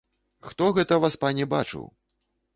Хто гэта, васпане, бачыў!